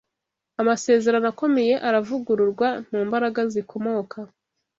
Amasezerano akomeye aravugururwa, mu mbaraga zikomoka